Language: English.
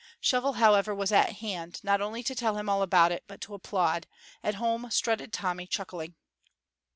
Shovel, however, was at hand, not only to tell him all about it, but to applaud, and home strutted Tommy chuckling.